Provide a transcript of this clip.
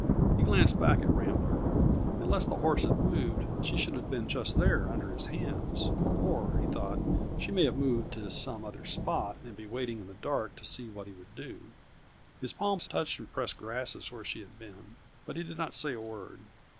He glanced back at Rambler; unless the horse had moved, she should have been just there, under his hands; or, he thought, she may have moved to some other spot, and be waiting in the dark to see what he would do. His palms touched the pressed grasses where she had been, but he did not say a word.